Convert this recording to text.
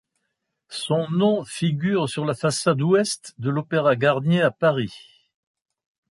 Son nom figure sur la façade ouest de l'Opéra Garnier à Paris.